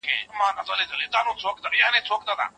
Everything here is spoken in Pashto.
که یو څوک بل شخص په زوره مجبور کړي، څه کیږي؟